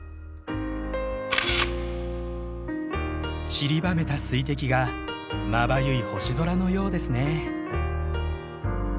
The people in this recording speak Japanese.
ちりばめた水滴がまばゆい星空のようですね。